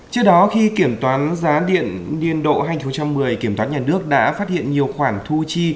trước đó khi kiểm toán giá điện biên độ hai nghìn một mươi kiểm toán nhà nước đã phát hiện nhiều khoản thu chi